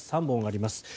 ３本あります。